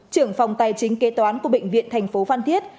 trưởng phòng tài chính kế toán của bệnh viện thành phố phan thiết